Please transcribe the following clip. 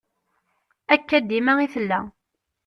Akka dima i tella.